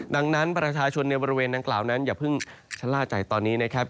ดังนั้นประชาชนในบริเวณดังกล่าวนั้นอย่าเพิ่งชะล่าใจตอนนี้นะครับ